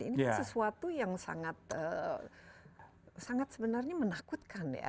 ini kan sesuatu yang sangat sebenarnya menakutkan ya